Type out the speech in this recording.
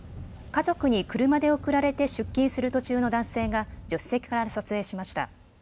家族に車で送られて出勤する途中の男性が助手席から撮影しました。